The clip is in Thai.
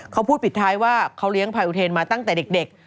เขาพูดปิดท้ายว่าเขาเลี้ยงพายอุเทนมาตั้งแต่เด็ก